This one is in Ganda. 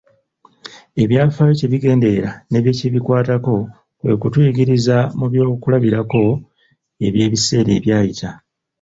Ebyafaayo kye bigenderera ne bye bikwatako kwe kutuyigiririza mu byokulabirako eby'ebiseera ebyayita.